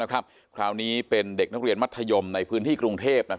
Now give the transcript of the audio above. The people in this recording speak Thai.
คราวนี้เป็นเด็กนักเรียนมัธยมในพื้นที่กรุงเทพ